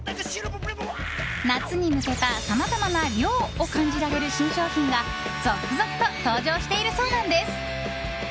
夏に向けた、さまざまな涼を感じられる新商品が続々と登場しているそうなんです。